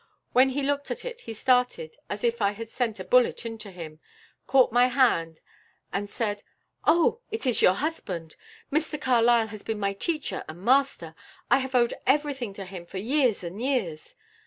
When he looked at it he started as if I had sent a bullet into him, caught my hand, and said, 'Oh, it is your husband! Mr Carlyle has been my teacher and master! I have owed everything to him for years and years!'